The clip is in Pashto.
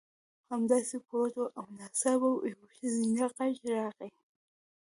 همداسې پروت وم او ناڅاپه یو ښځینه غږ راغی